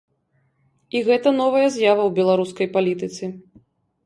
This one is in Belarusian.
І гэта новая з'ява ў беларускай палітыцы.